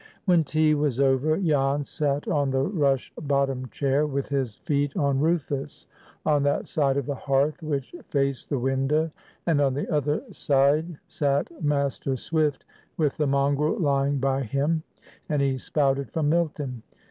When tea was over, Jan sat on the rush bottomed chair, with his feet on Rufus, on that side of the hearth which faced the window, and on the other side sat Master Swift, with the mongrel lying by him, and he spouted from Milton.